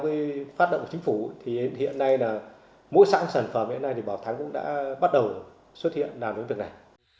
theo cái phát triển của chính phủ thì hiện nay là mỗi sản phẩm hiện nay thì bảo thắng cũng đã bắt đầu xuất hiện làm những việc này